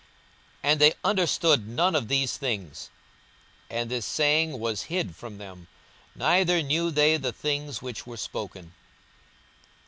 42:018:034 And they understood none of these things: and this saying was hid from them, neither knew they the things which were spoken.